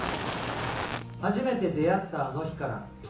初めて出会ったあの日から